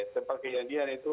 tempat ke yadian itu